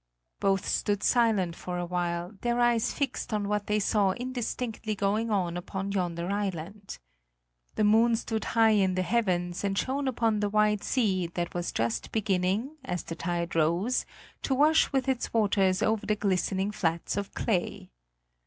Both stood silent for a while, their eyes fixed on what they saw indistinctly going on upon yonder island. The moon stood high in the heavens and shone upon the wide sea that was just beginning, as the tide rose, to wash with its waters over the glistening flats of clay.